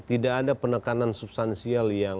tidak ada penekanan substansial